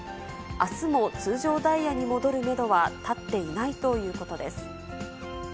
あすも通常ダイヤに戻るメドは立っていないということです。